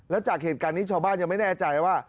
แล้วจากเหตุการณ์นี้ชาวบ้านยังไม่แน่ใจว่า